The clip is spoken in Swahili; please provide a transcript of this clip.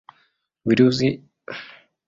Virusi huongezeka ndani ya viumbehai hao pekee.